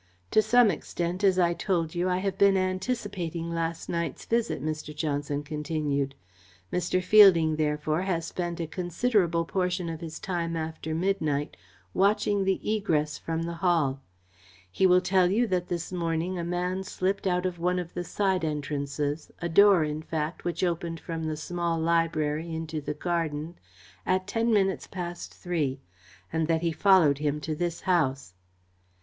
"To some extent, as I told you, I have been anticipating last night's visit," Mr. Johnson continued. "Mr. Fielding, therefore, has spent a considerable portion of his time after midnight watching the egress from the Hall. He will tell you that this morning a man slipped out of one of the side entrances, a door, in fact, which opened from the small library into the garden, at ten minutes past three, and that he followed him to this house."